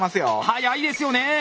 速いですよね。